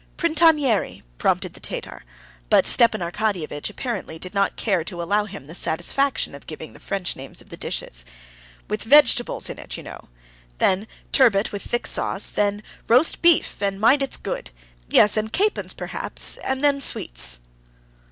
"Printanière," prompted the Tatar. But Stepan Arkadyevitch apparently did not care to allow him the satisfaction of giving the French names of the dishes. "With vegetables in it, you know. Then turbot with thick sauce, then ... roast beef; and mind it's good. Yes, and capons, perhaps, and then sweets."